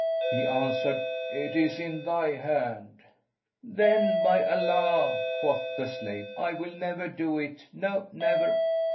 He answered, "It is in thy hand." "Then by Allah," quoth the slave, "I will never do it; no, never!"